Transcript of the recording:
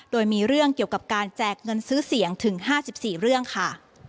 โดยมีเรื่องเกี่ยวกับการแจกเงินซื้อเสียงถึง๕๔เรื่องค่ะ